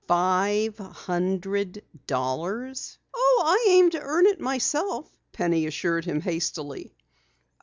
"Five hundred dollars!" "Oh, I aim to earn it myself," Penny assured him hastily.